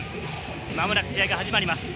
まもなく試合が始まります。